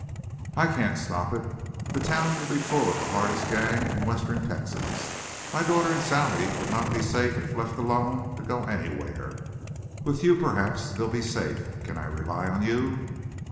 "I can't stop it. The town will be full of the hardest gang in western Texas. My daughter and Sally would not be safe if left alone to go anywhere. With you, perhaps, they'll be safe. Can I rely on you?"